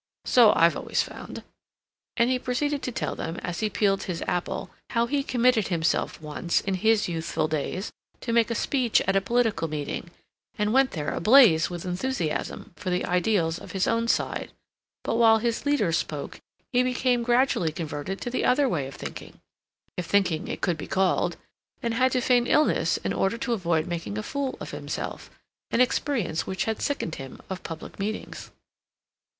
So I've always found," and he proceeded to tell them, as he peeled his apple, how he committed himself once, in his youthful days, to make a speech at a political meeting, and went there ablaze with enthusiasm for the ideals of his own side; but while his leaders spoke, he became gradually converted to the other way of thinking, if thinking it could be called, and had to feign illness in order to avoid making a fool of himself—an experience which had sickened him of public meetings.